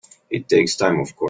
It takes time of course.